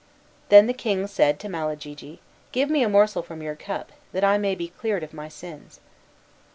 Then the king said to Malagigi, "Give me a morsel from your cup, that I may be cleared of my sins."